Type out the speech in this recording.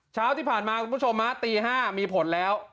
เช้าที่ผ่านมาคุณผู้ชมตี๕มีผลแล้ว